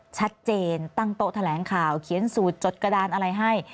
ชัดเจนตั้งโต๊ะแถลงข่าวเขียนสูตรจดกระดานอะไรให้